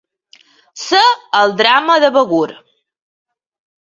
Ser el drama de Begur.